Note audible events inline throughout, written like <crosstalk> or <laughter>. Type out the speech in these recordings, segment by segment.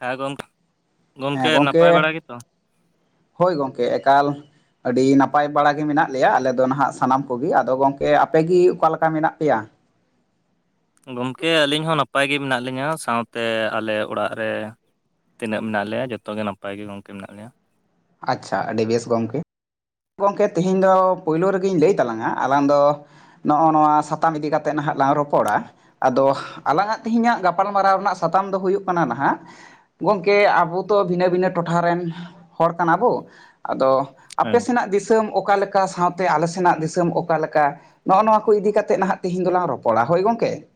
ᱦᱮᱸ ᱜᱚᱢᱠᱮ ᱦᱮᱸ ᱜᱚᱢᱠᱮ ᱦᱳᱭ ᱜᱚᱢᱠᱮ ᱮᱠᱟᱞ ᱟᱹᱰᱤ ᱱᱟᱯᱟᱭ ᱵᱟᱲᱟᱜᱮ ᱢᱮᱱᱟᱜ ᱞᱮᱭᱟ ᱟᱞᱮ ᱫᱚ ᱱᱟᱦᱟᱜ ᱥᱟᱱᱟᱢ ᱠᱚᱜᱮ ᱟᱫᱚ ᱜᱚᱝᱠᱮ ᱟᱯᱮᱜᱮ ᱚᱠᱟᱞᱮ ᱞᱮᱠᱟ ᱢᱮᱱᱟᱜ ᱯᱮᱭᱟ ᱜᱚᱢᱠᱮ ᱟᱹᱞᱤᱧ ᱦᱚᱸ ᱱᱟᱯᱟᱭ ᱜᱮ ᱢᱮᱱᱟᱜ ᱞᱤᱧᱟᱹ ᱥᱟᱶᱛᱮ ᱟᱞᱮ ᱚᱲᱟᱜ ᱨᱮ ᱛᱤᱱᱟᱹᱜ ᱢᱮᱱᱟᱜ ᱞᱮᱭᱟ ᱡᱚᱛᱚᱜᱮ ᱱᱟᱯᱟᱭ ᱜᱮ ᱜᱚᱢᱠᱮ ᱢᱮᱱᱟᱜ ᱞᱮᱭᱟ ᱟᱪᱪᱷᱟ ᱟᱹᱰᱤ ᱵᱮᱥ ᱜᱚᱢᱠᱮ ᱜᱚᱢᱠᱮ ᱛᱮᱦᱮᱧ ᱫᱚ ᱯᱳᱭᱞᱳ ᱨᱮᱜᱮᱧ ᱞᱟᱹᱭ ᱛᱟᱞᱟᱝᱟ ᱟᱞᱟᱝ ᱫᱚ ᱱᱚᱜᱼᱚ ᱱᱚᱣᱟ ᱥᱟᱛᱟᱢ ᱤᱫᱤ ᱠᱟᱛᱮᱫ ᱱᱟᱦᱟᱜ ᱞᱟᱝ ᱨᱚᱯᱚᱲᱟ ᱟᱫᱚ ᱟᱞᱟᱝᱟᱜ ᱛᱮᱦᱤᱧᱟᱜ ᱜᱟᱯᱟᱞ ᱢᱟᱨᱟᱣ ᱨᱮᱱᱟᱜ ᱥᱟᱛᱟᱢ ᱫᱚ ᱦᱩᱭᱩᱜ ᱠᱟᱱᱟ ᱱᱟᱦᱟᱜ ᱜᱚᱝᱠᱮ ᱟᱵᱚ ᱛᱚ ᱵᱷᱤᱱᱟᱹ ᱵᱷᱤᱱᱟᱹ ᱴᱚᱴᱷᱟ ᱨᱮᱱ ᱦᱚᱲ ᱠᱟᱱᱟ ᱵᱚ ᱟᱫᱚ ᱦᱮᱸ ᱨᱮᱱᱟᱜ ᱫᱤᱥᱚᱢ ᱚᱠᱟ ᱞᱮᱠᱟ ᱥᱟᱶᱛᱮ ᱟᱞᱮ ᱥᱮᱱᱟᱜ ᱫᱤᱥᱚᱢ ᱚᱠᱟ ᱞᱮᱠᱟ ᱱᱚᱜᱼᱚ ᱱᱚᱣᱟ ᱠᱚ ᱤᱫᱤ ᱠᱟ ᱠᱟᱛᱮᱜ ᱱᱟᱦᱟᱜ ᱛᱮᱦᱮᱧ ᱫᱚᱞᱟᱝ ᱨᱚᱯᱚᱲᱟ ᱦᱳᱭ ᱜᱚᱝᱠᱮ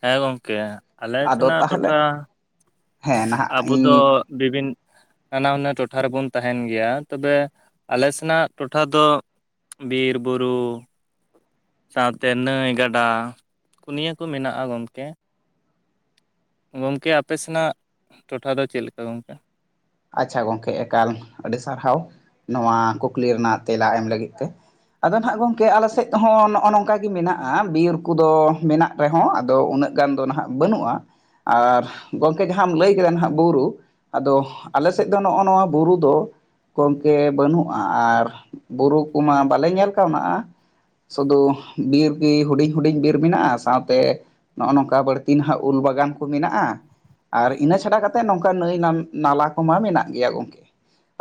ᱦᱮᱸ ᱜᱚᱝᱠᱮ ᱟᱞᱮ ᱟᱫᱚ ᱥᱮᱱᱟᱜ ᱴᱚᱴᱷᱟ ᱛᱟᱦᱚᱞᱮ ᱦᱮᱸ ᱱᱟᱦᱟᱜ ᱟᱵᱚ ᱫᱚ ᱤᱧ ᱵᱤᱵᱷᱤᱱ ᱱᱟᱱᱟ ᱦᱩᱱᱟᱹᱨ ᱴᱚᱴᱷᱟ ᱨᱮᱵᱚᱱ ᱛᱟᱦᱮᱱ ᱜᱮᱭᱟ ᱛᱚᱵᱮ ᱟᱞᱮ ᱥᱮᱱᱟᱜ ᱴᱚᱴᱷᱟ ᱫᱚ ᱵᱤᱨᱼᱵᱩᱨᱩ ᱥᱟᱶᱛᱮ ᱱᱟᱹᱭ ᱜᱟᱰᱟ ᱠᱚ ᱱᱤᱭᱟᱹ ᱠᱚ ᱢᱮᱱᱟᱜᱼᱟ ᱜᱚᱢᱠᱮ ᱜᱚᱝᱠᱮ ᱟᱯᱮ ᱥᱮᱱᱟᱜ ᱴᱚᱴᱷᱟ ᱫᱚ ᱪᱮᱫ ᱞᱮᱠᱟ ᱜᱚᱝᱠᱮ ᱟᱪᱪᱷᱟ ᱜᱚᱢᱠᱮ ᱮᱠᱟᱞ ᱟᱹᱰᱤ ᱥᱟᱨᱦᱟᱣ ᱱᱚᱣᱟ ᱠᱩᱠᱞᱤ ᱨᱮᱱᱟᱜ ᱛᱮᱞᱟ ᱮᱢ ᱞᱟᱹᱜᱤᱫ ᱛᱮ ᱟᱫᱚ ᱱᱟᱦᱟᱜ ᱜᱚᱝᱠᱮ ᱟᱞᱮ ᱥᱮᱫ ᱦᱚᱸ ᱱᱚᱜᱼᱚ ᱱᱚᱝᱠᱟ ᱜᱮ ᱢᱮᱱᱟᱜᱼᱟ ᱵᱤᱨ ᱠᱚᱫᱚ ᱢᱮᱱᱟᱜ ᱨᱮᱦᱚᱸ ᱟᱫᱚ ᱩᱱᱟᱹᱜ ᱜᱟᱱ ᱫᱚ ᱱᱟᱦᱟᱜ ᱵᱟᱹᱱᱩᱜᱼᱟ ᱟᱨ ᱜᱚᱢᱠᱮ ᱡᱟᱦᱟᱸᱢ ᱞᱟᱹᱭ ᱠᱮᱫᱟ ᱦᱟᱸᱜ ᱵᱩᱨᱩ ᱟᱫᱚ ᱟᱞᱮ ᱥᱮᱫ ᱫᱚ ᱱᱚᱜᱼᱚ ᱱᱚᱣᱟ ᱵᱩᱨᱩ ᱫᱚ ᱜᱚᱢᱠᱮ ᱵᱟᱹᱱᱩᱜᱼᱟ ᱟᱨ ᱵᱩᱨᱩ ᱠᱚᱢᱟ ᱵᱟᱞᱮ ᱧᱮᱞ ᱠᱟᱣᱱᱟ ᱥᱩᱫᱩ ᱵᱤᱨ ᱜᱮ ᱦᱩᱰᱤᱧ ᱦᱩᱰᱤᱧ ᱵᱤᱨ ᱢᱮᱱᱟᱜᱼᱟ ᱥᱟᱶᱛᱮ ᱱᱚᱜᱼᱚ ᱱᱚᱝᱠᱟ ᱵᱟᱹᱲᱛᱤ ᱱᱟᱦᱟᱜ ᱩᱞ ᱵᱟᱜᱟᱱ ᱠᱚ ᱢᱮᱱᱟᱜᱼᱟ ᱟᱨ ᱤᱱᱟᱹ ᱪᱷᱟᱰᱟ ᱠᱟᱛᱮᱫ ᱱᱚᱝᱠᱟ ᱱᱟᱹᱭ ᱱᱟᱞᱟ ᱢᱟ ᱢᱮᱱᱟᱜ ᱜᱮᱭᱟ ᱜᱚᱢᱠᱮ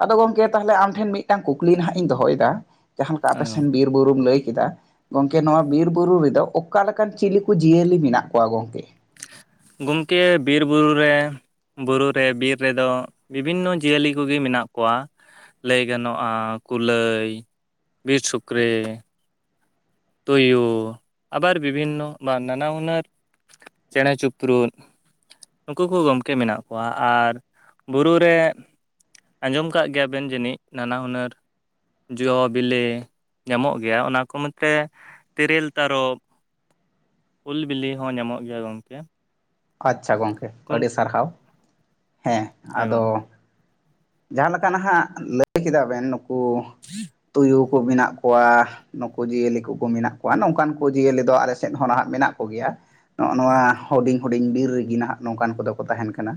ᱟᱫᱚ ᱜᱚᱢᱠᱮ ᱛᱟᱦᱚᱞᱮ ᱟᱢ ᱴᱷᱮᱱ ᱢᱤᱫᱴᱟᱝ ᱠᱩᱠᱞᱤ ᱦᱟᱜ ᱤᱧ ᱫᱚᱦᱚᱭ ᱮᱫᱟ ᱡᱟᱦᱟᱸ ᱞᱮᱠᱟ ᱟᱯᱮᱥᱮᱱ ᱵᱤᱨ ᱵᱩᱨᱩᱢ ᱞᱟᱹᱭ ᱠᱮᱫᱟ ᱜᱚᱝᱠᱮ ᱱᱚᱣᱟ ᱵᱤᱨ ᱵᱩᱨᱩ ᱨᱮᱫᱚ ᱚᱠᱟ ᱞᱮᱮᱠᱟᱱ ᱪᱤᱞᱤ ᱠᱚ ᱡᱤᱭᱟᱹᱞᱤ ᱢᱮᱱᱟᱜ ᱠᱚᱣᱟ ᱜᱚᱢᱠᱮ ᱜᱚᱢᱠᱮ ᱵᱤᱨ ᱵᱩᱨᱩ ᱨᱮ ᱵᱩᱨᱩ ᱨᱮ ᱵᱤᱨ ᱨᱮᱫᱚ ᱵᱤᱵᱷᱤᱱᱚ ᱡᱤᱭᱟᱹᱞᱤ ᱠᱚᱜᱮ ᱢᱮᱱᱟᱜ ᱠᱚᱣᱟ ᱞᱟᱹᱭ ᱜᱟᱱᱚᱜᱼᱟ ᱠᱩᱞᱟᱹᱭ ᱵᱤᱨ ᱥᱩᱠᱨᱤ ᱛᱩᱭᱩ ᱟᱵᱟᱨ ᱵᱤᱵᱷᱤᱱᱚ ᱱᱟᱱᱟ ᱦᱩᱱᱟᱹᱨ ᱪᱮᱬᱮ ᱪᱤᱯᱨᱩᱫ ᱱᱩᱠᱩ ᱠᱚ ᱜᱚᱢᱠᱮ ᱢᱮᱱᱟᱜ ᱠᱚᱣᱟ ᱟᱨ ᱵᱩᱨᱩ ᱨᱮ ᱟᱸᱡᱚᱢ ᱠᱟᱫ ᱜᱮᱭᱟ ᱵᱤᱱ ᱡᱟᱹᱱᱤᱡ ᱱᱟᱱᱟ ᱦᱩᱱᱟᱹᱨ ᱡᱚ ᱵᱤᱞᱤ ᱧᱟᱢᱚᱜ ᱜᱮᱭᱟ ᱚᱱᱟ ᱠᱚ ᱢᱟ ᱛᱮ ᱛᱮᱨᱮᱞ ᱛᱟᱨᱚᱯ ᱩᱞ ᱵᱤᱞᱤ ᱦᱚᱸ ᱧᱟᱢᱚᱜ ᱜᱮᱭᱟ ᱜᱚᱝᱠᱮ ᱟᱪᱪᱷᱟ ᱜᱚᱢᱠᱮ ᱟᱹᱰᱤ ᱥᱟᱨᱦᱟᱣ ᱦᱮᱸ ᱦᱮᱸ ᱟᱫᱚ ᱡᱟᱦᱟᱸ ᱞᱮᱠᱟ ᱱᱟᱦᱟᱜ ᱞᱟᱹᱭ ᱠᱮᱫᱟ ᱵᱮᱱ ᱱᱩᱠᱩ ᱛᱩᱭᱩ ᱠᱚ ᱢᱮᱱᱟᱜ ᱠᱚᱣᱟ ᱱᱩᱠᱩ ᱡᱤᱭᱟᱹᱞᱤ ᱠᱚᱠᱚ ᱢᱮᱱᱟᱜ ᱠᱚᱣᱟ ᱱᱚᱝᱠᱟᱱ ᱠᱚ ᱡᱤᱭᱟᱹᱞᱤ ᱫᱚ ᱟᱞᱮ ᱥᱮᱫ ᱦᱚᱸ ᱱᱟᱦᱟᱜ ᱢᱮᱱᱟᱜ ᱠᱚᱜᱮᱭᱟ ᱱᱚᱜᱼᱚ ᱱᱚᱣᱟ ᱦᱩᱰᱤᱧ ᱦᱩᱰᱤᱧ ᱵᱤᱨ ᱨᱮᱜᱮ ᱱᱟᱦᱟᱜ ᱱᱚᱝᱠᱟᱱ ᱠᱚᱫᱚ ᱠᱚ ᱛᱟᱦᱮᱱ ᱠᱟᱱᱟ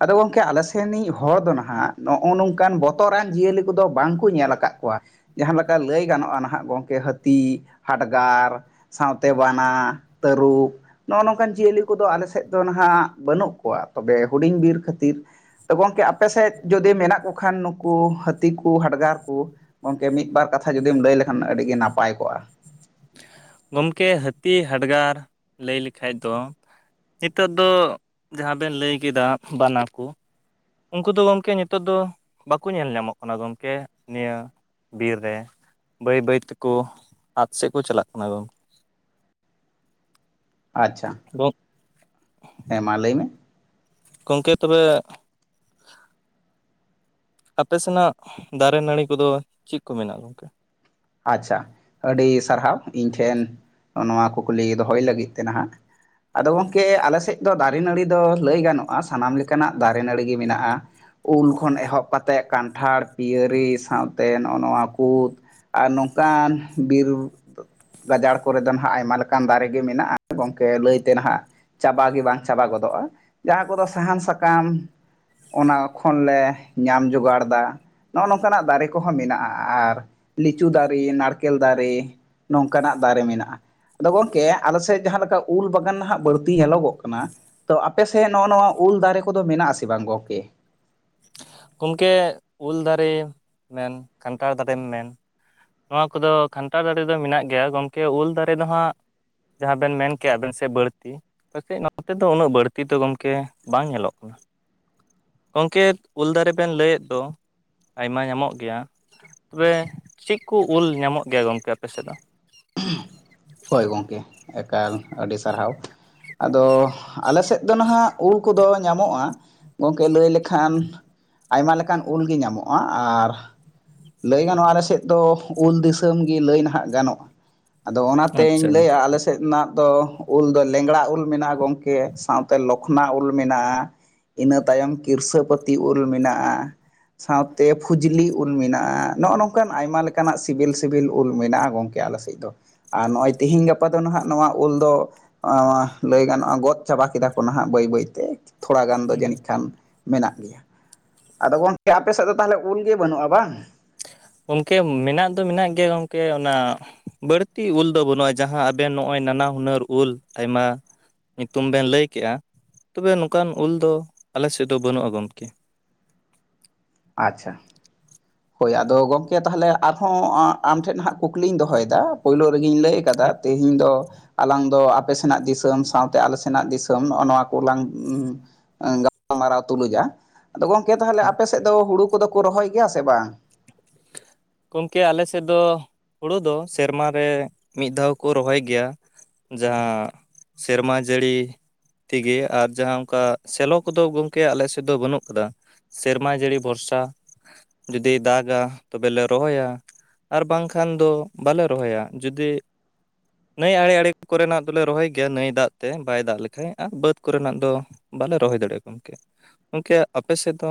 ᱟᱫᱚ ᱜᱚᱝᱠᱮ ᱟᱞᱮ ᱥᱮᱱᱤᱡ ᱦᱚᱲ ᱫᱚ ᱱᱟᱦᱟᱜ ᱱᱚᱜᱼᱚ ᱱᱚᱝᱠᱟᱱ ᱵᱚᱛᱚᱨᱟᱱ ᱡᱤᱭᱟᱹᱞᱤ ᱠᱚᱫᱚ ᱵᱟᱝ ᱠᱚ ᱧᱮᱞ ᱟᱠᱟᱫ ᱠᱚᱣᱟ ᱡᱟᱦᱟᱸ ᱞᱮᱠᱟ ᱞᱟᱹᱭ ᱜᱟᱱᱚᱜᱼᱟ ᱱᱟᱦᱟᱸᱜ ᱜᱚᱢᱠᱮ ᱦᱟᱹᱛᱤ ᱦᱟᱰᱜᱟᱨ ᱥᱟᱶᱛᱮ ᱵᱟᱱᱟ ᱛᱟᱹᱨᱩᱵ ᱱᱚᱜᱼᱚ ᱱᱚᱝᱠᱟᱱ ᱡᱤᱭᱟᱹᱞᱤ ᱠᱚᱫᱚ ᱟᱞᱮ ᱥᱮᱫ ᱫᱚ ᱦᱜ ᱵᱟᱹᱱᱩᱜ ᱠᱚᱣᱟ ᱛᱚᱵᱮ ᱦᱩᱰᱤᱧ ᱵᱤᱨ ᱠᱷᱟᱹᱛᱤᱨ ᱛ ᱜᱚᱢᱠᱮ ᱟᱯᱮ ᱥᱮᱫ ᱡᱩᱚᱫᱤ ᱢᱮᱱᱟᱜ ᱠᱚ ᱠᱷᱟᱱ ᱱᱩᱠᱩ ᱦᱟᱹᱛᱤ ᱠᱚ ᱦᱟᱰᱜᱟᱨ ᱠᱚ ᱜᱚᱝᱠᱮ ᱢᱤᱫᱵᱟᱨ ᱠᱟᱛᱷᱟ ᱡᱩᱫᱤᱢ ᱞᱟᱹᱭ ᱞᱮᱠᱷᱟᱱ ᱟᱹᱰᱤ ᱜᱮ ᱱᱟᱯᱟᱭ ᱠᱚᱜᱼᱟ ᱜᱚᱢᱠᱮ ᱦᱟᱹᱛᱤ ᱦᱟᱰᱜᱟᱨ ᱞᱟᱹᱭ ᱞᱮᱠᱷᱟᱡ ᱫᱚ ᱱᱤᱛᱚᱜ ᱫᱚ ᱡᱟᱦᱟᱸ ᱵᱮᱱ ᱞᱟᱹᱭ ᱠᱮᱫᱟ ᱵᱟᱱᱟ ᱠᱚ ᱩᱱᱠᱩ ᱫᱚ ᱜᱚᱢᱠᱮ ᱱᱤᱛᱚᱜ ᱫᱚ ᱵᱟᱠᱚ ᱧᱮᱞ ᱧᱟᱢᱚᱜ ᱠᱟᱱᱟ ᱜᱚᱢᱠᱮ ᱱᱤᱭᱟᱹ ᱵᱤᱨ ᱨᱮ ᱵᱟᱹᱭ ᱵᱟᱹᱭ ᱛᱮᱠᱚ ᱟᱫᱽ ᱥᱮᱫ ᱠᱚ ᱪᱟᱞᱟᱜ ᱠᱟᱱᱟ ᱜᱚᱝᱠᱮ ᱟᱪᱪᱷᱟ <unintelligible> ᱦᱮᱸ ᱢᱟ ᱞᱟᱹᱭ ᱢᱮ ᱜᱚᱢᱠᱮ ᱛᱚᱵᱮ ᱟᱯᱮ ᱥᱮᱱᱟᱜ ᱫᱟᱨᱮ ᱱᱟᱹᱲᱤ ᱠᱚᱫᱚ ᱪᱮᱫ ᱠᱚ ᱢᱮᱱᱟᱜᱼᱟ ᱜᱚᱝᱠᱮ ᱟᱪᱪᱷᱟ ᱟᱹᱰᱤ ᱥᱟᱨᱦᱟᱣ ᱤᱧ ᱴᱷᱮᱱ ᱱᱚᱣᱟ ᱠᱩᱠᱞᱤ ᱫᱚᱦᱚᱭ ᱞᱟᱹᱜᱤᱫ ᱛᱮ ᱱᱟᱦᱟᱜ ᱟᱫᱚ ᱜᱚᱢᱠᱮ ᱟᱞᱮ ᱥᱮᱫ ᱫᱚ ᱫᱟᱨᱮ ᱱᱟᱹᱲᱤ ᱫᱚ ᱞᱟᱹᱭ ᱜᱟᱱᱚᱜᱼᱟ ᱥᱟᱱᱟᱢ ᱞᱮᱠᱟᱱᱟᱜ ᱫᱟᱨᱮ ᱱᱟᱹᱲᱤ ᱜᱮ ᱢᱮᱱᱟᱜᱼᱟ ᱩᱞ ᱠᱷᱚᱱ ᱮᱦᱚᱵ ᱠᱟᱛᱮᱫ ᱠᱟᱱᱴᱷᱟᱲ ᱯᱤᱭᱟᱹᱨᱤ ᱥᱟᱶᱛᱮ ᱱᱚᱜᱼᱚ ᱱᱚᱣᱟ ᱠᱩ ᱟᱨ ᱱᱚᱝᱠᱟᱱ ᱵᱤᱨ ᱜᱟᱡᱟᱲ ᱠᱚᱨᱮ ᱫᱚ ᱦᱜ ᱟᱭᱢᱟ ᱞᱮᱠᱟᱱ ᱫᱟᱨᱮ ᱜᱮ ᱢᱮᱱᱟᱜᱼᱟ ᱜᱚᱢᱠᱮ ᱞᱟᱹᱭᱛᱮ ᱱᱟᱦᱟᱜ ᱪᱟᱵᱟ ᱜᱮ ᱵᱟᱝ ᱪᱟᱵᱟ ᱜᱚᱫᱚᱜᱼᱟ ᱡᱟᱦᱟᱸ ᱠᱚᱫᱚ ᱥᱟᱦᱟᱱ ᱥᱟᱠᱟᱢ ᱚᱱᱟ ᱠᱷᱚᱱᱞᱮ ᱧᱟᱢ ᱡᱚᱜᱟᱲᱫᱟ ᱱᱚᱜᱼᱚ ᱱᱚᱝᱠᱟᱱᱟᱜ ᱫᱟᱨᱮ ᱠᱚᱦᱚᱸ ᱢᱮᱱᱟᱜᱼᱟ ᱟᱨ ᱞᱤᱪᱩ ᱫᱟᱨᱮ ᱱᱟᱲᱠᱮᱞ ᱫᱟᱨᱮ ᱱᱚᱝᱠᱟᱱᱟᱜ ᱫᱟᱨᱮ ᱢᱮᱱᱟᱜᱼᱟ ᱟᱫᱚ ᱜᱚᱢᱠᱮ ᱟᱞᱮ ᱥᱮᱫ ᱡᱟᱦᱟᱸ ᱞᱮᱠᱟ ᱩᱞ ᱵᱟᱜᱟᱱᱜ ᱵᱟᱹᱲᱛᱤ ᱧᱮᱞᱚᱜᱚᱜ ᱠᱟᱱᱟ ᱛᱚ ᱟᱯᱮᱥᱮᱫ ᱱᱚᱜᱼᱚ ᱱᱚᱣᱟ ᱩᱞ ᱫᱟᱨᱮ ᱠᱚᱫᱚ ᱢᱮᱱᱟᱜ ᱟᱥᱮ ᱵᱟᱝ ᱜᱚᱝᱠᱮ ᱜᱚᱢᱠᱮ ᱩᱞ ᱫᱟᱨᱮᱢ ᱢᱮᱱ ᱠᱟᱱᱴᱷᱟᱲ ᱫᱟᱨᱮᱢ ᱢᱮᱱ ᱱᱚᱣᱟ ᱠᱚᱫᱚ ᱠᱷᱟᱱᱴᱟᱲ ᱫᱟᱨᱮ ᱫᱚ ᱢᱮᱱᱟᱜ ᱜᱮᱭᱟ ᱜᱚᱢᱠᱮ ᱩᱞ ᱫᱟᱨᱮ ᱫᱚ ᱦᱟᱸᱜ ᱡᱟᱦᱟᱸ ᱵᱮᱱ ᱢᱮᱱ ᱠᱮᱜᱼᱟ ᱵᱮᱱ ᱥᱮ ᱵᱟᱹᱲᱛᱤ ᱯᱪᱮᱡ ᱱᱚᱛ ᱫᱚ ᱩᱱᱟᱹᱜ ᱵᱟᱹᱲᱛᱤ ᱫᱚ ᱜᱚᱢᱠᱮ ᱵᱟᱝ ᱧᱮᱞᱚᱜ ᱠᱟᱱᱟ ᱜᱚᱢᱠᱮ ᱩᱞ ᱫᱟᱨᱮ ᱵᱮᱱ ᱞᱟᱹᱭᱮᱫ ᱫᱚ ᱟᱭᱢᱟ ᱧᱟᱢᱚᱜ ᱜᱮᱭᱟ ᱛᱚᱵᱮ ᱪᱮᱫ ᱠᱚ ᱩᱞ ᱧᱟᱢᱚᱜ ᱜᱮᱭᱟ ᱜᱚᱝᱠᱮ ᱟᱯᱮ ᱥᱮᱫ ᱫᱚ ᱦᱳᱭ ᱜᱚᱢᱠᱮ ᱮᱠᱟᱞ ᱟᱹᱰᱤ ᱥᱟᱨᱦᱟᱣ ᱟᱫᱚ ᱟᱞᱮ ᱥᱮᱫ ᱫᱚ ᱱᱟᱦᱟᱜ ᱩᱞ ᱠᱚᱫᱚ ᱧᱟᱢᱚᱜᱼᱟ ᱜᱚᱢᱠᱮ ᱞᱟᱹᱭ ᱞᱮᱠᱷᱟᱱ ᱟᱭᱢᱟ ᱞᱮᱠᱟᱱ ᱩᱞᱜᱮ ᱧᱟᱢᱚᱜᱼᱟ ᱟᱨ ᱞᱟᱹᱭ ᱜᱟᱱᱚᱜᱼᱟ ᱟᱞᱮ ᱥᱮᱫ ᱫᱚ ᱩᱞ ᱫᱤᱥᱚᱢ ᱜᱮ ᱞᱟᱹᱭ ᱱᱟᱦᱟᱜ ᱜᱟᱱᱚᱜᱼᱟ ᱟᱫᱚ ᱚᱱᱟ ᱟᱪᱪᱷᱟ ᱛᱮᱧ ᱞᱟᱹᱭᱟ ᱟᱞᱮ ᱥᱮᱫᱱᱟᱜ ᱫᱚ ᱩᱞ ᱫᱚ ᱞᱮᱝᱲᱟ ᱩᱞ ᱢᱮᱱᱟᱜᱼᱟ ᱜᱚᱢᱠᱮ ᱥᱟᱶᱛᱮ ᱞᱚᱠᱷᱱᱟ ᱩᱞ ᱢᱮᱱᱟᱜᱼᱟ ᱤᱱᱟᱹ ᱛᱟᱭᱚᱢ ᱠᱤᱨᱥᱟᱹᱯᱟᱹᱛᱤ ᱩᱞ ᱢᱮᱱᱟᱜᱼᱟ ᱥᱟᱶᱛᱮ ᱯᱷᱩᱡᱽᱞᱤ ᱩᱞ ᱢᱮᱱᱟᱜᱼᱟ ᱱᱚᱜᱼᱚ ᱱᱚᱝᱠᱟᱱ ᱟᱭᱢᱟ ᱞᱮᱠᱟᱱᱟᱜ ᱥᱤᱵᱤᱞ ᱥᱤᱵᱤᱞ ᱩᱞ ᱢᱮᱱᱟᱜᱼᱟ ᱜᱚᱝᱠᱮ ᱜᱮ ᱟᱞᱮ ᱥᱮᱫ ᱫᱚ ᱟᱨ ᱱᱚᱜᱼᱚᱭ ᱛᱮᱦᱤᱧ ᱜᱟᱯᱟ ᱫᱚ ᱱᱟᱦᱟᱜ ᱱᱚᱣᱟ ᱩᱞ ᱫᱚ ᱮ ᱞᱟᱹᱭ ᱜᱟᱱᱚᱜᱼᱟ ᱜᱚᱫ ᱪᱟᱵᱟ ᱠᱮᱫᱟ ᱠᱚ ᱱᱟᱦᱟᱸᱜ ᱵᱟᱹᱭ ᱵᱟᱹᱭᱛᱮ ᱛᱷᱚᱲᱟ ᱜᱟᱱ ᱫᱚ ᱜᱚᱝᱠᱮ ᱡᱟᱹᱱᱤᱡ ᱠᱷᱟᱱ ᱢᱮᱱᱟᱜ ᱜᱮᱭᱟ ᱟᱫᱚ ᱜᱚᱝᱠᱮ ᱟᱯᱮ ᱥᱮᱫ ᱫᱚ ᱛᱟᱦᱚᱞᱮ ᱩᱞ ᱜᱮ ᱵᱟᱹᱱᱩᱜᱼᱟ ᱵᱟᱝ ᱜᱚᱝᱠᱮ ᱢᱮᱱᱟᱜ ᱫᱚ ᱢᱮᱱᱟᱜ ᱜᱮᱭᱟ ᱜᱚᱝᱠᱮ ᱚᱱᱟ ᱵᱟᱹᱲᱛᱤ ᱩᱞ ᱫᱚ ᱵᱟᱹᱱᱩᱜᱼᱟ ᱡᱟᱦᱟᱸ ᱟᱵᱮᱱ ᱱᱚᱜᱼᱚᱭ ᱱᱟᱱᱟ ᱦᱩᱱᱟᱹᱨ ᱩᱞ ᱟᱭᱢᱟ ᱧᱩᱛᱩᱢ ᱵᱮᱱ ᱞᱟᱹᱭᱠᱮᱜᱼᱟ ᱛᱚᱵᱮ ᱱᱚᱝᱠᱟᱱ ᱩᱞ ᱫᱚ ᱟᱞᱮ ᱥᱮᱫ ᱫᱚ ᱵᱟᱹᱱᱩᱜᱼᱟ ᱜᱚᱢᱠᱮ ᱟᱪᱪᱷᱟ ᱦᱳᱭ ᱟᱫᱚ ᱜᱚᱢᱠᱮ ᱛᱟᱦᱚᱞᱮ ᱟᱨᱦᱚᱸ ᱟᱢᱴᱷᱮᱱ ᱱᱟᱦᱟᱜ ᱠᱩᱠᱞᱤᱧ ᱫᱚᱦᱚᱭᱮᱫᱟ ᱯᱳᱭᱞᱳ ᱨᱮᱜᱤᱧ ᱞᱟᱹᱭ ᱟᱠᱟᱫᱟ ᱛᱤᱦᱤᱧ ᱫᱚ ᱟᱞᱟᱝ ᱫᱚ ᱟᱯᱮ ᱥᱮᱱᱟᱜ ᱫᱤᱥᱚᱢ ᱥᱟᱶᱛᱮ ᱟᱞᱮ ᱥᱮᱱᱟᱜ ᱫᱤᱥᱚᱢ ᱱᱚᱜᱼᱚ ᱱᱚᱣᱟ ᱠᱚᱞᱟᱝ ᱜᱟᱞᱢᱟᱨᱟᱣ ᱛᱩᱞᱩᱡ ᱟ ᱟᱫᱚ ᱜᱚᱝᱠᱮ ᱛᱟᱦᱞᱮ ᱟᱯᱮ ᱥᱮᱫ ᱫᱚ ᱦᱩᱲᱩ ᱠᱚᱫᱚ ᱠᱚ ᱨᱚᱦᱚᱭ ᱜᱮᱭᱟ ᱥᱮ ᱵᱟᱝ ᱜᱚᱝᱠᱮ ᱟᱞᱮ ᱥᱮᱫ ᱫᱚ ᱦᱩᱲᱩ ᱫᱚ ᱥᱮᱨᱢᱟ ᱨᱮ ᱢᱤᱫ ᱫᱷᱟᱣ ᱠᱚ ᱨᱚᱦᱚᱭ ᱜᱮᱭᱟ ᱡᱟᱦᱟᱸ ᱥᱮᱨᱢᱟ ᱡᱟᱹᱲᱤ ᱛᱮᱜᱮ ᱟᱨ ᱡᱟᱦᱟᱸ ᱚᱱᱠᱟ ᱥᱮᱞᱚ ᱠᱚᱫᱚ ᱜᱚᱢᱠᱮ ᱟᱞᱮ ᱥᱮᱫ ᱫᱚ ᱵᱟᱹᱱᱩᱜ ᱠᱟᱫᱟ ᱥᱮᱨᱢᱟ ᱡᱟᱹᱲᱤ ᱵᱷᱚᱨᱥᱟ ᱡᱩᱫᱤ ᱫᱟᱜᱟ ᱛᱚᱵᱮ ᱞᱟ. ᱨᱚᱦᱚᱭᱟ ᱟᱨ ᱵᱟᱝᱠᱷᱟᱱ ᱫᱚ ᱵᱟᱞᱮ ᱨᱚᱦᱚᱭᱟ ᱡᱩᱫᱤ ᱱᱟᱹᱭ ᱟᱲᱮ ᱟᱲᱮ ᱠᱚᱨᱮᱱᱟᱜ ᱫᱚᱞᱮ ᱨᱚᱦᱚᱭ ᱜᱮᱭᱟ ᱱᱟᱹᱭ ᱫᱟᱜ ᱛᱮ ᱵᱟᱭ ᱫᱟᱜ ᱞᱮᱠᱷᱟ ᱵᱟᱹᱫᱽ ᱠᱚᱨᱮᱱᱟᱜ ᱫᱚ ᱵᱟᱞᱮ ᱨᱚᱦᱚᱭ ᱫᱟᱲᱮᱭᱟᱜ ᱟ ᱜᱚᱢᱠᱮ ᱜᱚᱢᱠᱮ ᱟᱯᱮ ᱥᱮᱫ ᱫᱚ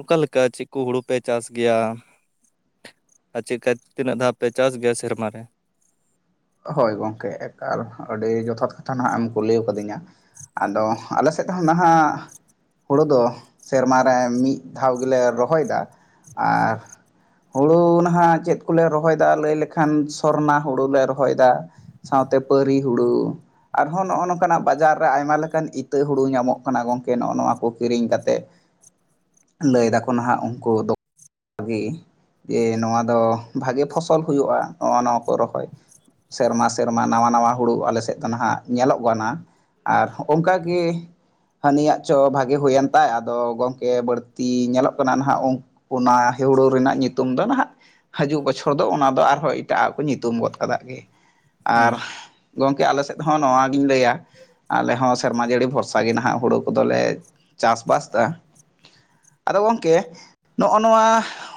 ᱚᱠᱟ ᱞᱮᱠᱟ ᱪᱮᱫ ᱠᱚ ᱦᱩᱲᱩ ᱯᱮ ᱪᱟᱥ ᱜᱮᱭᱟ ᱟᱨ ᱪᱮᱫᱠᱟ ᱛᱤᱱᱟᱹᱜ ᱫᱷᱟᱣ ᱯᱮ ᱪᱟᱥ ᱜᱮᱭᱟ ᱥᱮᱨᱢᱟ ᱨᱮ ᱦᱳᱭ ᱜᱚᱝᱠᱮ ᱮᱠᱟᱞ ᱟᱹᱰᱤ ᱡᱚᱛᱷᱟᱛ ᱠᱟᱛᱷᱟ ᱱᱟᱦᱟᱜ ᱮᱢ ᱠᱩᱞᱤ ᱟᱠᱟᱫᱤᱧᱟ ᱟᱫᱚ ᱟᱞᱮ ᱥᱮᱫ ᱦᱚᱸ ᱱᱟᱦᱟᱜ ᱦᱳᱲᱳ ᱫᱚ ᱥᱮᱨᱢᱟ ᱨᱮ ᱢᱤᱫ ᱫᱷᱟᱣ ᱜᱮᱞᱮ ᱨᱚᱦᱚᱭ ᱫᱟ ᱟᱨ ᱦᱳᱲᱳ ᱱᱟᱦᱟᱜ ᱪᱮᱫ ᱠᱚᱞᱮ ᱨᱚᱦᱚᱭᱫᱟ ᱞᱟᱹᱭ ᱞᱮᱠᱷᱟᱱ ᱥᱚᱨᱱᱟ ᱦᱳᱲᱳ ᱞᱮ ᱨᱚᱦᱚᱭᱫᱟ ᱥᱟᱶᱛᱮ ᱯᱟᱹᱨᱤ ᱦᱩᱲᱩ ᱟᱨᱦᱚᱸ ᱱᱚᱜ ᱚᱭ ᱱᱚᱝᱠᱟᱱᱟᱜ ᱵᱟᱡᱟᱨ ᱨᱮ ᱟᱭᱢᱟ ᱞᱮᱠᱟᱱ ᱤᱛᱟᱹ ᱦᱩᱲᱩ ᱧᱟᱢᱚᱜ ᱠᱟᱱᱟ ᱜᱚᱝᱠᱮ ᱱᱚᱜᱼᱚ ᱱᱚᱣᱟ ᱠᱚ ᱠᱤᱨᱤᱧ ᱠᱟᱛᱮᱜ ᱞᱟᱹᱭ ᱫᱟᱠᱚ ᱱᱟᱦᱟᱜ ᱩᱱᱠᱩ ᱫᱚ ᱵᱷᱟᱜᱤ ᱡᱮ ᱱᱚᱣᱟ ᱫᱚ ᱵᱷᱟᱜᱮ ᱯᱷᱚᱥᱚᱞ ᱦᱩᱭᱩᱜᱼᱟ ᱱᱚᱜᱼᱚ ᱱᱚᱣᱟ ᱠᱚ ᱨᱚᱦᱚᱭ ᱥᱮᱨᱢᱟ ᱥᱮᱨᱢᱟ ᱱᱟᱣᱟ ᱱᱟᱣᱟ ᱦᱳᱲᱳ ᱟᱞᱮ ᱥᱮᱫ ᱫᱚ ᱱᱟᱦᱟᱜ ᱧᱮᱞᱚᱜ ᱜᱚ ᱱᱟᱜ ᱟᱨ ᱚᱱᱠᱟ ᱜᱮ ᱦᱟᱹᱱᱤᱭᱟᱜ ᱪᱚ ᱵᱷᱟᱜᱮ ᱦᱩᱭᱮᱱ ᱛᱟᱭ ᱟᱫᱚ ᱜᱚᱝᱠᱮ ᱵᱟᱹᱲᱛᱤ ᱧᱮᱞᱚᱜ ᱠᱟᱱᱟ ᱱᱟᱦᱟᱜ ᱩ ᱚᱱᱟ ᱦᱮᱣᱲᱳ ᱨᱮᱱᱟᱜ ᱧᱩᱛᱩᱢ ᱫᱚ ᱱᱟᱦᱟᱜ ᱦᱤᱡᱩᱜ ᱵᱚᱪᱷᱚᱨ ᱫᱚ ᱚᱱᱟ ᱫᱚ ᱟᱨᱦᱚᱸ ᱮᱴᱟᱜ ᱟᱜ ᱠᱚ ᱧᱩᱛᱩᱢ ᱜᱚᱫ ᱠᱟᱜ ᱜᱮ ᱦᱩᱸ ᱟᱨ ᱜᱚᱢᱠᱮ ᱟᱞᱮ ᱥᱮᱫ ᱦᱚᱸ ᱱᱚᱣᱟᱜᱤᱧ ᱞᱟᱹᱭᱟ ᱟᱞᱮ ᱦᱚᱸ ᱥᱮᱨᱢᱟ ᱡᱟᱹᱲᱤ ᱵᱷᱚᱨᱥᱟ ᱜᱮ ᱦᱟᱜ ᱦᱩᱲᱩ ᱠᱚᱫᱚᱞᱮ ᱪᱟᱥᱵᱟᱥᱫᱟ ᱟᱫᱚ ᱜᱚᱝᱠᱮ ᱱᱚᱜᱼᱚ ᱱᱚᱣᱟ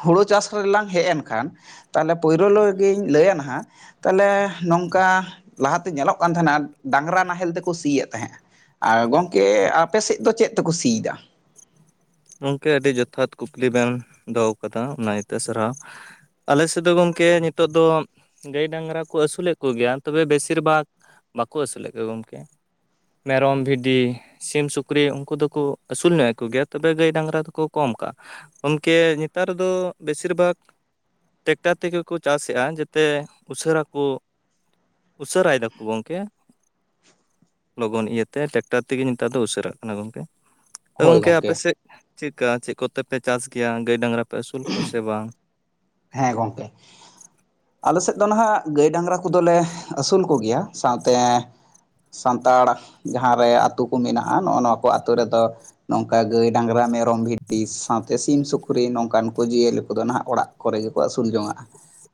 ᱦᱳᱲᱳ ᱪᱟᱥ ᱨᱮᱞᱟᱝ ᱦᱮᱡ ᱮᱱ ᱠᱷᱟᱱ ᱛᱟᱦᱞᱮ ᱯᱳᱭᱨᱳ ᱨᱮ ᱜᱤᱧ ᱞᱟᱹᱭᱟ ᱱᱟᱦᱟᱜ ᱛᱟᱦᱚᱞᱮ ᱱᱚᱝᱠᱟ ᱞᱟᱦᱟᱛᱮ ᱧᱮᱞᱚᱜ ᱠᱟᱱ ᱛᱟᱦᱮᱱᱟ ᱰᱟᱝᱨᱟ ᱱᱟᱦᱮᱞ ᱛᱮᱠᱚ ᱥᱤᱭᱮᱫ ᱛᱟᱦᱮᱸᱫ ᱟᱨ ᱜᱚᱢᱠᱮ ᱟᱯᱮᱥᱮᱫ ᱫᱚ ᱪᱮᱫ ᱛᱮᱠᱚ ᱥᱤ ᱫᱟ ᱜᱚᱢᱠᱮ ᱟᱹᱰᱤ ᱡᱚᱛᱷᱟᱛ ᱠᱩᱠᱞᱤ ᱵᱮᱱ ᱫᱚᱦᱚ ᱠᱟᱫᱟ ᱚᱱᱟ ᱤᱭᱟᱹ ᱛᱮ ᱥᱟᱨᱦᱟᱣ ᱟᱞᱮ ᱥᱮᱫ ᱫᱚ ᱜᱚᱢᱠᱮ ᱱᱤᱛᱚᱜ ᱫᱚ ᱜᱟᱹᱭ ᱰᱟᱝᱨᱟ ᱠᱚ ᱟᱹᱥᱩᱞᱮᱫ ᱠᱚᱜᱮᱭᱟ ᱛᱚᱵᱮ ᱵᱮᱥᱤᱨ ᱵᱷᱟᱜᱽ ᱵᱟᱠᱚ ᱟᱹᱥᱩᱞᱮᱫ ᱠᱚᱣᱟ ᱜᱚᱢᱠᱮ ᱢᱮᱨᱚᱢ ᱵᱷᱤᱰᱤ ᱥᱤᱢ ᱥᱩᱠᱨᱤ ᱩᱱᱠᱩ ᱫᱚᱠᱚ ᱟᱹᱥᱩᱞᱧᱚᱜᱮᱫ ᱠᱚ ᱜᱮᱭᱟ ᱛᱚᱵᱮ ᱜᱟᱹᱭ ᱰᱟᱝᱨᱟ ᱫᱚᱠᱚ ᱠᱚᱢ ᱠᱟᱜᱼᱟ ᱜᱚᱢᱠᱮ ᱱᱮᱛᱟᱨ ᱫᱚ ᱵᱮᱥᱤᱨ ᱵᱷᱟᱜᱽ ᱴᱮᱠᱴᱟᱨ ᱛᱮᱜᱮ ᱠᱚ ᱪᱟᱥᱮᱜᱼᱟ ᱡᱟᱛᱮ ᱩᱥᱟᱹᱨᱟ ᱠᱚ ᱩᱥᱟᱹᱨᱟᱭ ᱫᱟᱠᱚ ᱜᱚᱢᱠᱮ ᱞᱚᱜᱚᱱ ᱤᱭᱟᱹᱛᱮ ᱴᱮᱠᱴᱟᱨ ᱛᱮᱜᱮ ᱱᱮᱛᱟᱨ ᱫᱚ ᱩᱥᱟᱹᱨᱟᱜ ᱠᱟᱱᱟ ᱜᱚᱢᱠᱮ ᱜᱚᱝᱠᱮ ᱟᱯᱮ ᱥᱮᱫ ᱪᱮᱫᱠᱟ ᱪᱮᱫ ᱠᱚᱛᱮ ᱯᱮ ᱪᱟᱥ ᱜᱮᱭᱟ ᱜᱟᱹᱭ ᱰᱟᱝᱨᱟ ᱯᱮ ᱟᱹᱥᱩᱞ ᱠᱚᱣᱟ ᱥᱮ ᱵᱟᱝ ᱦᱮᱸ ᱜᱚᱢᱠᱮ ᱟᱞᱮ ᱥᱮᱫ ᱫᱚ ᱱᱟᱦᱟᱜ ᱜᱟᱹᱭ ᱰᱟᱝᱨᱟ ᱠᱚᱫᱚᱞᱮ ᱟᱹᱥᱩᱞ ᱠᱚᱜᱮᱭᱟ ᱥᱟᱶᱛᱮ ᱥᱟᱱᱛᱟᱲ ᱡᱟᱦᱟᱸᱨᱮ ᱟᱹᱛᱩ ᱠᱚ ᱢᱮᱱᱟᱜᱼᱟ ᱱᱚᱜᱼᱚ ᱱᱚᱣᱟ ᱠᱚ ᱟᱹᱛᱩ ᱨᱮᱫᱚ ᱱᱚᱝᱠᱟ ᱜᱟᱹᱭ ᱰᱟᱝᱨᱟ ᱢᱮᱨᱚᱢ ᱵᱷᱤᱰᱤ ᱥᱟᱶᱛᱮ ᱥᱤᱢ ᱥᱩᱠᱨᱤ ᱱᱚᱝᱠᱟᱱ ᱡᱤᱭᱟᱹᱞᱤ ᱠᱚᱫᱚ ᱱᱟᱦᱟᱜ ᱚᱲᱟᱜ ᱠᱚᱨᱮ ᱜᱮᱠᱚ ᱟᱹᱥᱩᱞ ᱡᱚᱝᱟᱜᱼᱟ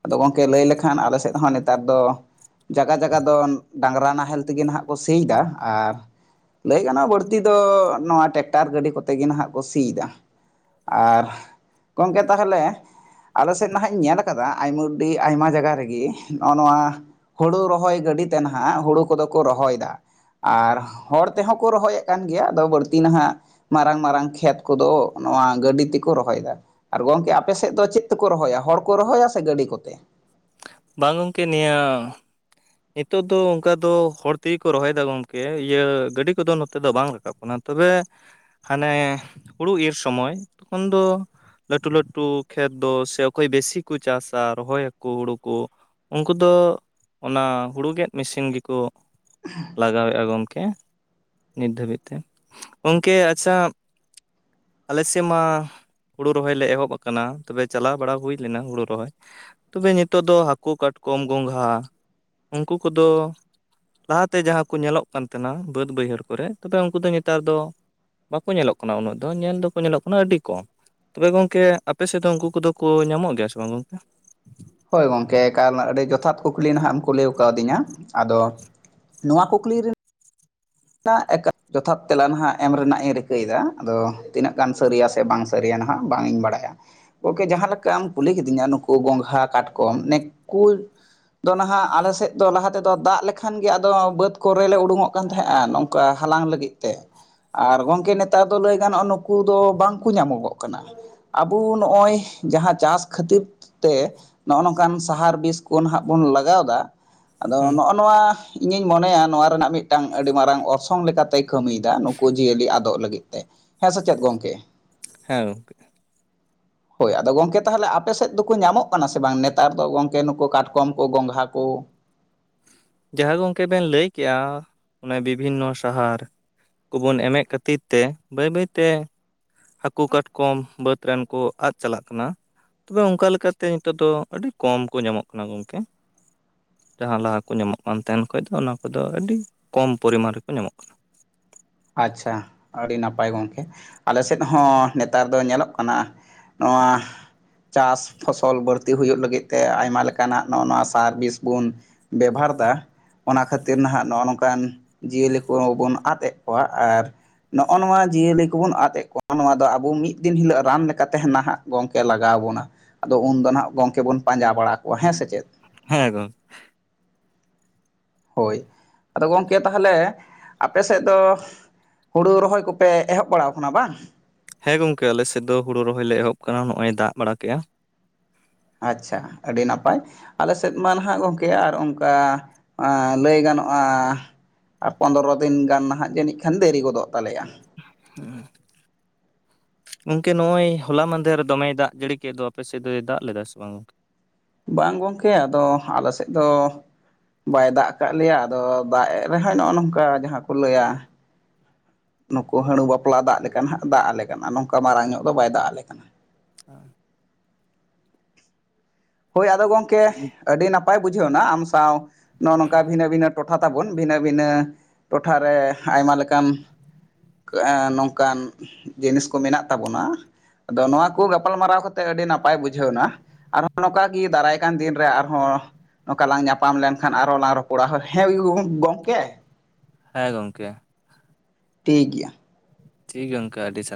ᱟᱫᱚ ᱜᱚᱢᱠᱮ ᱞᱟᱹᱭ ᱞᱮᱠᱷᱟᱱ ᱟᱞᱮ ᱥᱮᱫ ᱦᱚᱸ ᱱᱮᱛᱟᱨ ᱫᱚ ᱡᱟᱜᱟ ᱡᱟᱜᱟ ᱫᱚ ᱰᱟᱝᱨᱟ ᱱᱟᱦᱮᱞ ᱛᱮᱜᱮ ᱱᱟᱦᱟᱜ ᱠᱚ ᱥᱤ ᱫᱟ ᱟᱨ ᱞᱟᱹᱭ ᱜᱟᱱᱚᱜᱼᱟ ᱵᱟᱹᱲᱛᱤ ᱫᱚ ᱱᱚᱣᱟ ᱴᱮᱠᱴᱟᱨ ᱜᱟᱹᱰᱤ ᱠᱚᱛᱮ ᱜᱮ ᱱᱟᱦᱟᱜ ᱠᱚ ᱥᱤᱫᱟ ᱟᱨ ᱜᱚᱢᱠᱮ ᱛᱟᱦᱚᱞᱮ ᱟᱞᱮ ᱥᱮᱫ ᱱᱟᱦᱟᱜ ᱤᱧ ᱧᱮᱞ ᱟᱠᱟᱫᱟ ᱟᱭᱢᱟ ᱟᱹᱰᱤ ᱟᱭᱢᱟ ᱡᱟᱭᱜᱟ ᱨᱮᱜᱮ ᱱᱚᱜᱼᱚᱭ ᱱᱚᱣᱟ ᱦᱩᱲᱩ ᱨᱚᱦᱚᱭ ᱜᱟᱹᱰᱤ ᱛᱮ ᱱᱟᱦᱟᱜ ᱦᱳᱲᱳ ᱠᱚᱫᱚ ᱠᱚ ᱨᱚᱦᱚᱭ ᱮᱫᱟ ᱟᱨ ᱦᱚᱲ ᱛᱮᱦᱚᱸ ᱠᱚ ᱨᱚᱦᱚᱭᱮᱫ ᱠᱟᱱ ᱜᱮᱭᱟ ᱟᱫᱚ ᱵᱟᱹᱲᱛᱤ ᱱᱟᱦᱟᱜ ᱢᱟᱨᱟᱝ ᱢᱟᱨᱟᱝ ᱠᱷᱮᱛ ᱠᱚᱫᱚ ᱱᱚᱣᱟ ᱜᱟᱹᱰᱤ ᱛᱮᱠᱚ ᱨᱚᱦᱚᱭᱮᱫᱟ ᱟᱨ ᱜᱚᱢᱠᱮ ᱟᱯᱮ ᱥᱮᱫ ᱫᱚ ᱪᱮᱫ ᱛᱮᱠᱚ ᱨᱚᱦᱚᱭᱟ ᱦᱚᱲ ᱠᱚ ᱨᱚᱦᱚᱭᱟ ᱥᱮ ᱜᱟᱹᱰᱤ ᱠᱚᱛᱮ ᱵᱟᱝ ᱜᱚᱢᱠᱮ ᱱᱤᱭᱟᱹ ᱱᱤᱛᱚᱜ ᱫᱚ ᱚᱱᱠᱟ ᱫᱚ ᱦᱚᱲ ᱛᱮᱜᱮ ᱠᱚ ᱨᱚᱦᱚᱭᱮᱫᱟ ᱜᱚᱝᱠᱮ ᱤᱭᱟᱹ ᱜᱟᱹᱰᱤ ᱠᱚᱫᱚ ᱱᱚᱛᱮ ᱫᱚ ᱵᱟᱝ ᱨᱟᱠᱟᱵ ᱠᱟᱱᱟ ᱛᱚᱵᱮ ᱦᱟᱱᱮ ᱦᱩᱲᱩ ᱤᱨ ᱥᱚᱢᱚᱭ ᱩᱱ ᱫᱚ ᱞᱟᱹᱴᱩ ᱞᱟᱹᱴᱩ ᱠᱷᱮᱛ ᱫᱚ ᱥᱮ ᱚᱠᱚᱭ ᱵᱮᱥᱤ ᱠᱚ ᱪᱟᱥᱟ ᱨᱚᱦᱚᱭᱟᱠᱚ ᱦᱩᱲᱩ ᱠᱚ ᱩᱱᱠᱩ ᱫᱚ ᱚᱱᱟ ᱦᱩᱲᱩ ᱜᱮᱫ ᱢᱮᱥᱤᱱ ᱜᱮᱠᱚ ᱞᱟᱜᱟᱣᱮᱫᱼᱟ ᱜᱚᱢᱠᱮ ᱱᱤᱛ ᱫᱷᱟᱹᱵᱤᱡ ᱛᱮ᱾ ᱜᱚᱢᱠᱮ ᱟᱪᱪᱷᱟ ᱟᱞᱮ ᱥᱮᱫ ᱢᱟ ᱦᱳᱲᱩ ᱨᱚᱦᱚᱭ ᱞᱮ ᱮᱦᱚᱵ ᱟᱠᱟᱱᱟ ᱛᱚᱵᱮ ᱪᱟᱞᱟᱣ ᱵᱟᱲᱟ ᱦᱩᱭ ᱞᱮᱱᱟ ᱦᱳᱲᱩ ᱨᱚᱦᱚᱭ᱾ ᱛᱚᱵᱮ ᱱᱤᱛᱚᱜ ᱫᱚ ᱦᱟᱹᱠᱩ ᱠᱟᱴᱠᱚᱢ ᱜᱚᱝᱜᱷᱟ ᱩᱱᱠᱩ ᱠᱚᱫᱚ ᱞᱟᱦᱟᱛᱮ ᱡᱟᱦᱟᱸ ᱠᱚ ᱧᱮᱞᱚᱜ ᱠᱟᱱ ᱛᱟᱦᱮᱸᱱᱟ ᱵᱟᱹᱫ ᱵᱟᱹᱭᱦᱟᱹᱲ ᱠᱚᱨᱮ ᱛᱚᱵᱮ ᱩᱱᱠᱩ ᱫᱚ ᱱᱮᱛᱟᱨ ᱫᱚ ᱵᱟᱠᱚ ᱧᱮᱞᱚᱜ ᱠᱟᱱᱟ ᱩᱱᱟᱹᱜ ᱫᱚ ᱧᱮᱞ ᱫᱚᱠᱚ ᱧᱮᱞᱚᱜ ᱠᱟᱱᱟ ᱟᱹᱰᱤ ᱠᱚᱢ᱾ ᱛᱚᱵᱮ ᱜᱚᱢᱠᱮ ᱟᱯᱮ ᱥᱮᱫ ᱫᱚ ᱩᱱᱠᱩ ᱠᱚᱫᱚ ᱠᱚ ᱧᱟᱢᱚᱜ ᱜᱮᱭᱟ ᱥᱮ ᱵᱟᱝ ᱜᱚᱢᱠᱮ? ᱦᱳᱭ ᱜᱚᱢᱠᱮ ᱮᱠᱟᱞ ᱟᱹᱰᱤ ᱡᱚᱛᱷᱟᱛ ᱠᱩᱠᱞᱤ ᱱᱟᱦᱟᱜ ᱮᱢ ᱠᱩᱞᱤ ᱠᱟᱣᱫᱤᱧᱟ ᱟᱫᱚ ᱱᱚᱣᱟ ᱠᱩᱠᱞᱤ ᱨᱮᱱᱟᱜ ᱡᱚᱛᱷᱟᱛ ᱛᱮᱞᱟ ᱱᱟᱦᱟᱜ ᱮᱢ ᱨᱮᱱᱟᱜ ᱤᱧ ᱨᱤᱠᱟᱹᱭᱮᱫᱟ ᱟᱫᱚ ᱛᱤᱱᱟᱹᱜ ᱜᱟᱱ ᱥᱟᱹᱨᱤᱭᱟ ᱥᱮ ᱵᱟᱝ ᱥᱟᱹᱨᱤᱭᱟ ᱱᱟᱦᱟᱜ ᱵᱟᱝ ᱤᱧ ᱵᱟᱲᱟᱭᱟ᱾ ᱜᱚᱢᱠᱮ ᱡᱟᱦᱟᱸ ᱞᱮᱠᱟᱢ ᱠᱩᱞᱤ ᱠᱤᱫᱤᱧᱟ ᱱᱩᱠᱩ ᱜᱚᱸᱜᱷᱟ ᱠᱟᱴᱠᱚᱢ ᱱᱩᱠᱩ ᱟᱫᱚ ᱱᱟᱦᱟᱜ ᱟᱞᱮ ᱥᱮᱫ ᱫᱚ ᱞᱟᱦᱟ ᱛᱮᱫᱚ ᱫᱟᱜ ᱞᱮᱠᱷᱟᱱ ᱜᱮ ᱟᱫᱚ ᱵᱟᱹᱫᱽ ᱠᱚᱨᱮ ᱞᱮ ᱩᱰᱩᱠᱚᱜ ᱠᱟᱱ ᱛᱟᱦᱮᱸᱫ᱾ ᱱᱚᱝᱠᱟ ᱦᱟᱞᱟᱝ ᱞᱟᱹᱜᱤᱫ ᱛᱮ᱾ ᱟᱨ ᱜᱚᱢᱠᱮ ᱱᱮᱛᱟᱨ ᱫᱚ ᱞᱟᱹᱭ ᱜᱟᱱᱚᱜᱼᱟ ᱱᱩᱠᱩ ᱫᱚ ᱵᱟᱝᱠᱚ ᱧᱟᱢᱚᱜᱚᱜ ᱠᱟᱱᱟ᱾ ᱟᱵᱚ ᱱᱚᱜᱼᱚᱭ ᱡᱟᱦᱟᱸ ᱪᱟᱥ ᱠᱷᱟᱹᱛᱤᱨ ᱛᱮ ᱱᱚᱜᱼᱚ ᱱᱚᱝᱠᱟᱱ ᱥᱟᱦᱟᱨ ᱵᱤᱥ ᱠᱚ ᱱᱟᱦᱟᱜ ᱵᱚᱱ ᱞᱟᱜᱟᱣᱫᱟ ᱟᱫᱚ ᱦᱩᱸ ᱱᱚᱜᱼᱚ ᱱᱚᱣᱟ ᱤᱧᱤᱧ ᱢᱚᱱᱮᱭᱟ ᱱᱚᱣᱟ ᱨᱮᱱᱟᱜ ᱢᱤᱫᱴᱟᱝ ᱟᱹᱰᱤ ᱢᱟᱨᱟᱝ ᱚᱨᱥᱚᱝ ᱞᱮᱠᱟ ᱛᱮᱭ ᱠᱟᱹᱢᱤᱭᱮᱫᱟ ᱱᱩᱠᱩ ᱡᱤᱭᱟᱹᱞᱤ ᱟᱫᱚᱜ ᱞᱟᱹᱜᱤᱫ ᱛᱮ᱾ ᱦᱮᱸ ᱥᱮ ᱪᱮᱫ ᱜᱚᱝᱠᱮ? ᱦᱮᱸ ᱜᱚᱝᱠᱮ᱾ ᱦᱳᱭ᱾ ᱟᱫᱚ ᱜᱚᱢᱠᱮ ᱛᱟᱦᱚᱞᱮ ᱟᱯᱮ ᱥᱮᱫ ᱫᱚᱠᱚ ᱧᱟᱢᱚᱜ ᱠᱟᱱᱟ ᱥᱮ ᱵᱟᱝ ᱱᱮᱛᱟᱨ ᱫᱚ ᱜᱚᱢᱠᱮ ᱱᱩᱠᱩ ᱠᱟᱴᱠᱚᱢ ᱠᱚ ᱜᱚᱝᱜᱷᱟ ᱠᱚ? ᱡᱟᱦᱟᱸ ᱜᱚᱢᱠᱮ ᱵᱮᱱ ᱞᱟᱹᱭ ᱠᱮᱜᱼᱟ ᱚᱱᱮ ᱵᱤᱵᱷᱤᱱᱱᱚ ᱥᱟᱦᱟᱨ᱾ ᱠᱚᱵᱚᱱ ᱮᱢᱮᱫ ᱠᱷᱟᱹᱛᱤᱨ ᱛᱮ ᱵᱟᱹᱭ ᱵᱟᱹᱭ ᱛᱮ ᱦᱟᱹᱠᱩ ᱠᱟᱴᱠᱚᱢ ᱵᱟᱹᱫᱽ ᱨᱮᱱ ᱠᱚ ᱟᱫᱽ ᱪᱟᱞᱟᱜ ᱠᱟᱱᱟ᱾ ᱛᱚᱵᱮ ᱚᱱᱠᱟ ᱞᱮᱠᱟᱛᱮ ᱱᱤᱛᱚᱜ ᱫᱚ ᱟᱹᱰᱤ ᱠᱚᱢ ᱠᱚ ᱧᱟᱢᱚᱜ ᱠᱟᱱᱟ ᱜᱚᱢᱠᱮ᱾ ᱡᱟᱦᱟᱸ ᱞᱟᱦᱟ ᱠᱚ ᱧᱟᱢᱚᱜ ᱠᱟᱱ ᱛᱟᱦᱮᱸᱱ ᱠᱷᱚᱱ ᱫᱚ ᱚᱱᱟ ᱠᱚᱫᱚ ᱟᱹᱰᱤ ᱠᱚᱢ ᱯᱚᱨᱤᱢᱟᱱ ᱨᱮᱠᱚ ᱧᱟᱢᱚᱜ ᱠᱟᱱᱟ᱾ ᱟᱪᱪᱷᱟ ᱟᱹᱰᱤ ᱱᱟᱯᱟᱭ ᱜᱚᱢᱠᱮ ᱟᱞᱮ ᱥᱮᱫ ᱦᱚᱸ ᱱᱮᱛᱟᱨ ᱫᱚ ᱧᱮᱞᱚᱜ ᱠᱟᱱᱟ᱾ ᱱᱚᱣᱟ ᱪᱟᱥ ᱯᱷᱚᱥᱚᱞ ᱵᱟᱹᱲᱛᱤ ᱦᱩᱭᱩᱜ ᱞᱟᱹᱜᱤᱫ ᱛᱮ ᱟᱭᱢᱟ ᱞᱮᱠᱟᱱᱟᱜ ᱱᱚᱜᱼᱚ ᱱᱚᱣᱟ ᱥᱟᱨ ᱵᱤᱥ ᱵᱚᱱ ᱵᱮᱵᱷᱟᱨᱫᱟ ᱚᱱᱟ ᱠᱷᱟᱹᱛᱤᱨ ᱱᱟᱦᱟᱜ ᱱᱚᱜᱼᱚ ᱱᱚᱝᱠᱟᱱ ᱡᱤᱭᱟᱹᱞᱤ ᱠᱚ ᱵᱚᱱ ᱟᱫ ᱮᱜ ᱠᱚᱣᱟᱜ ᱟᱨ ᱱᱚᱜᱼᱚ ᱱᱚᱣᱟ ᱡᱤᱭᱟᱹᱞᱤ ᱠᱚᱵᱚᱱ ᱟᱫ ᱮᱫ ᱠᱚᱣᱟ ᱱᱚᱣᱟ ᱫᱚ ᱟᱵᱚ ᱢᱤᱫ ᱫᱤᱱ ᱦᱤᱞᱳᱜ ᱨᱟᱱ ᱞᱮᱠᱟ ᱛᱮ ᱱᱟᱦᱟᱜ ᱜᱚᱝᱠᱮ ᱞᱟᱜᱟᱣ ᱵᱚᱱᱟ, ᱟᱫᱚ ᱩᱱᱫᱚ ᱦᱟᱜ ᱜᱚᱝᱠᱮ ᱵᱚᱱ ᱯᱟᱸᱡᱟ ᱵᱟᱲᱟ ᱠᱚᱣᱟ ᱦᱮᱸ ᱥᱮ ᱪᱮᱫ? ᱦᱮᱸ ᱜᱚ ᱦᱳᱭ᱾ ᱟᱫᱚ ᱜᱚᱢᱠᱮ ᱛᱟᱦᱚᱞᱮ ᱟᱯᱮ ᱥᱮᱫ ᱫᱚ ᱦᱩᱲᱩ ᱨᱚᱦᱚᱭ ᱠᱚᱯᱮ ᱮᱦᱚᱵ ᱵᱟᱲᱟᱟᱣ ᱠᱟᱱᱟ ᱵᱟᱝ? ᱦᱮᱸ ᱜᱚᱝᱠᱮ ᱟᱞᱮ ᱥᱮᱫ ᱫᱚ ᱦᱩᱲᱩ ᱨᱚᱦᱚᱭ ᱞᱮ ᱮᱦᱚᱵ ᱟᱠᱟᱱᱟ ᱱᱚᱜ ᱚᱚᱭ ᱫᱟᱜ ᱵᱟᱲᱟ ᱠᱮᱫᱟ᱾ ᱟᱪᱪᱷᱟ ᱟᱹᱰᱤ ᱱᱟᱯᱟᱭ᱾ ᱟᱞᱮ ᱥᱮᱫ ᱢᱟ ᱱᱟᱦᱟᱜ ᱜᱚᱢᱠᱮ ᱟᱨ ᱚᱱᱠᱟ ᱮᱸ ᱞᱟᱹᱭ ᱜᱟᱱᱚᱜᱼᱟ ᱟᱨ ᱯᱚᱸᱫᱨᱚ ᱫᱤᱱ ᱜᱟᱱ ᱱᱟᱸᱜ ᱡᱟᱹᱱᱤᱡ ᱠᱷᱟᱱ ᱫᱮᱨᱤ ᱜᱚᱫᱚᱜ ᱛᱟᱞᱮᱭᱟ ᱦᱚᱸ ᱜᱚᱝᱠᱮ ᱱᱚᱜᱼᱚᱭ ᱦᱚᱞᱟ ᱢᱟᱫᱷᱮᱨ ᱫᱚᱢᱮ ᱫᱟᱜ ᱡᱟᱹᱲᱤ ᱠᱮᱫ ᱫᱚ ᱟᱯᱮ ᱥᱮᱫ ᱫᱚᱭ ᱫᱟᱜ ᱞᱮᱫᱟ ᱥᱮ ᱵᱟᱝ ᱵᱟᱝ ᱜᱚᱝᱠᱮ ᱟᱫᱚ ᱟᱞᱮ ᱥᱮᱫ ᱫᱚ ᱵᱟᱭ ᱫᱟᱜ ᱠᱟᱜ ᱞᱮᱭᱟ ᱟᱫᱚ ᱫᱟᱜ ᱨᱮᱦᱚᱸ ᱱᱚᱜᱼᱚ ᱱᱚᱝᱠᱟ ᱡᱟᱦᱟᱸ ᱠᱚ ᱞᱟᱹᱭᱟ ᱱᱩᱠᱩ ᱦᱟᱺᱲᱩ ᱵᱟᱯᱞᱟ ᱫᱟᱜ ᱞᱮᱠᱟ ᱦᱟᱸᱜ ᱫᱟᱜ ᱟᱞᱮ ᱠᱟᱱᱟ ᱱᱚᱝᱠᱟ ᱢᱟᱨᱟᱝ ᱧᱚᱜ ᱫᱚ ᱵᱟᱭ ᱫᱟᱜ ᱟᱞᱮ ᱠᱟᱱᱟ <inaudible> ᱦᱳᱭ ᱟᱫᱚ ᱜᱚᱝᱠᱮ ᱟᱹᱰᱤ ᱱᱟ ᱱᱟᱯᱟᱭ ᱵᱩᱡᱷᱟᱹᱣ ᱱᱟ ᱟᱢ ᱥᱟᱶ ᱱᱚᱜᱼᱚ ᱱᱚᱝᱠᱟ ᱵᱷᱤᱱᱟᱹ ᱵᱷᱤᱱᱟᱹ ᱴᱚᱴᱷᱟ ᱛᱟᱵᱚᱱ ᱵᱷᱤᱱᱟᱹ ᱵᱷᱤᱱᱟᱹ ᱴᱚᱴᱷᱟᱨᱮ ᱟᱭᱢᱟ ᱞᱮᱠᱟᱱ ᱠᱟᱹᱜᱼ ᱱᱚᱝᱠᱟᱱ ᱡᱤᱱᱤᱥ ᱠᱚ ᱢᱮᱱᱟᱜ ᱛᱟᱵᱚᱱᱟ ᱟᱫᱚ ᱱᱚᱣᱟ ᱠᱚ ᱜᱟᱯᱟᱞᱢᱟᱨᱟᱣ ᱠᱟᱛᱮᱜ ᱟᱹᱰᱤ ᱱᱟᱯᱟᱭ ᱵᱩᱡᱷᱟᱹᱣ ᱱᱟ ᱱᱚᱝᱠᱟᱟᱜ ᱜᱮ ᱫᱟᱨᱟᱭ ᱠᱟᱱᱟᱱ ᱫᱤᱱ ᱨᱮ ᱟᱨᱦᱚᱸ ᱱᱚᱝᱠᱟ ᱞᱟᱝ ᱧᱟᱯᱟᱢ ᱞᱮᱱᱠᱷᱟᱱ ᱟᱨᱚ ᱞᱟᱝ ᱨᱚᱯᱚᱲᱟ <inaudible> ᱦᱮᱸ ᱜᱚᱝᱠᱮ ᱦᱮᱸ ᱜᱚᱝᱠᱮ ᱴᱷᱤᱠ ᱜᱮᱭᱟ ᱴᱷᱤᱠ ᱜᱮᱭᱟ ᱜᱚᱝᱠᱮ ᱟᱹᱰᱤ ᱥᱟᱨ